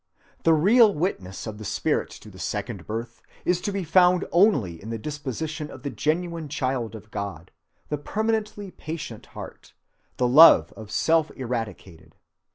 The real witness of the spirit to the second birth is to be found only in the disposition of the genuine child of God, the permanently patient heart, the love of self eradicated.